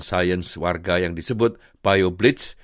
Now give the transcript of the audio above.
sains warga yang disebut biobridge